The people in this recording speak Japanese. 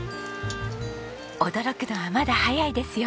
驚くのはまだ早いですよ。